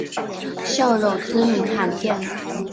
孝友之名罕有。